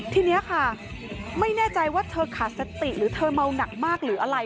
ทีนี้ค่ะไม่แน่ใจว่าเธอขาดสติหรือเธอเมาหนักมากหรืออะไร